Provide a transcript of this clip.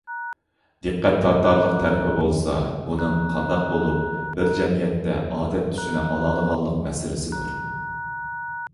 دىققەت تارتارلىق تەرىپى بولسا، بۇنىڭ قانداق بولۇپ بىر جەمئىيەتتە ئادەت تۈسىنى ئالالىغانلىق مەسىلىسىدۇر.